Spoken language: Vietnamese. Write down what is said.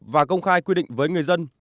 và công khai quy định với người dân